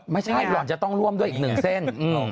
ไม่ใช่หล่อนจะต้องร่วมด้วยอีกนึงเซน